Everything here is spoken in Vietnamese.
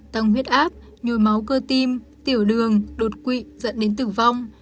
tăng huyết áp nhồi máu cơ tim tiểu đường đột quỵ dẫn đến tử vong